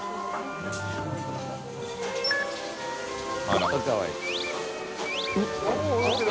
△蕁あっかわいい。